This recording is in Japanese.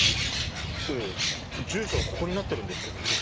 ええ住所はここになってるんですけどね。